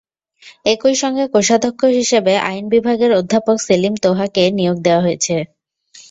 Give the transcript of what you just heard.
একই সঙ্গে কোষাধ্যক্ষ হিসেবে আইন বিভাগের অধ্যাপক সেলিম তোহাকে নিয়োগ দেওয়া হয়েছে।